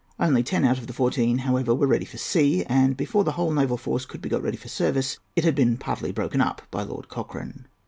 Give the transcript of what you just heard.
Only ten out of the fourteen, however, were ready for sea; and before the whole naval force could be got ready for service, it had been partly broken up by Lord Cochrane.